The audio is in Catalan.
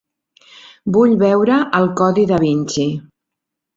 Vull veure el Codi Da Vinci